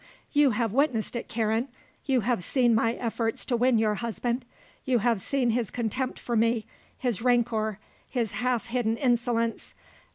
You have witnessed it, Karen you have seen my efforts to win your husband. You have seen his contempt for me, his rancour, his half hidden insolence.